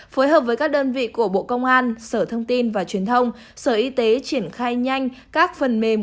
phối hợp với các đơn vị của bộ công an sở thông tin và truyền thông sở y tế triển khai nhanh các phần mềm